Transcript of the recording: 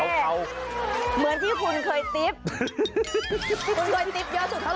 มอลำคลายเสียงมาแล้วมอลำคลายเสียงมาแล้ว